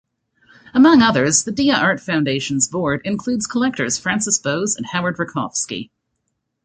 Among others, the Dia Art Foundation's board includes collectors Frances Bowes and Howard Rachofsky.